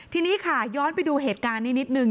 ทีนี้ค่ะย้อนไปดูเหตุการณ์นี้นิดนึง